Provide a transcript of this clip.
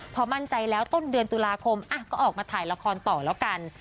พอมั่นใจแล้วต้นเดือนตุลาคมก็ออกมาถ่ายละครต่อแล้วกัน